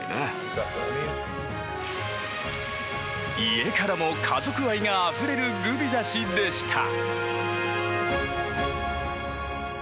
家からも家族愛があふれるグビザ氏でした。